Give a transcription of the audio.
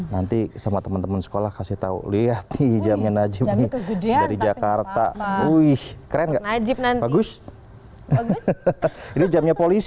nanti sama teman teman sekolah kasih tahu lihat hijabnya najib dari jakarta wih keren nanti bagus